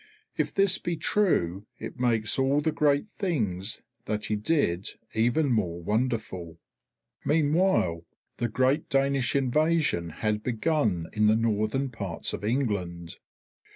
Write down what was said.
If this be true, it makes all the great things that he did even more wonderful. Meanwhile the great Danish invasion had begun in the northern parts of England.